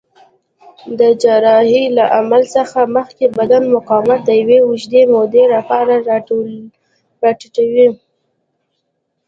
د جراحۍ له عمل څخه مخکې بدن مقاومت د یوې اوږدې مودې لپاره راټیټوي.